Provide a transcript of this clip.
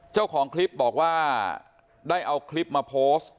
เจ้าของคลิปบอกว่าได้เอาคลิปมาโพสต์